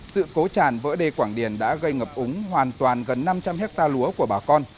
sự cố tràn vỡ đê quảng điền đã gây ngập úng hoàn toàn gần năm trăm linh hectare lúa của bà con